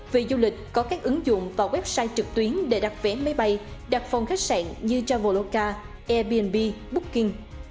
về du lịch có các ứng dụng vào website trực tuyến để đặt vé máy bay đặt phòng khách sạn như traveloca airbnb booking